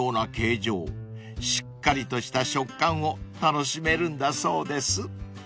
［しっかりとした食感を楽しめるんだそうです］